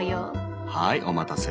はいお待たせ。